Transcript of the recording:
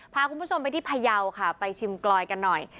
พาคุณผู้ชมไปที่พยาวค่ะไปชิมกลอยกันหน่อย